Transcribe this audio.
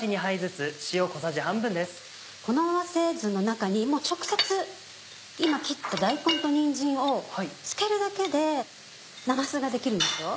このまま中に直接今切った大根とにんじんを漬けるだけでなますが出来るんですよ。